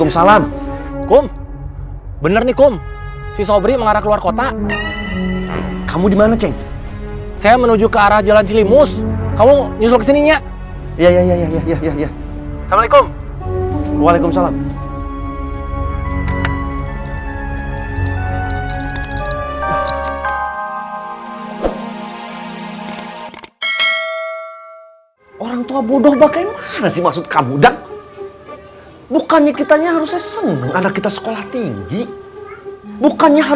sampai jumpa di video selanjutnya